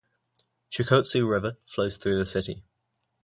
Shokotsu River flows through the city.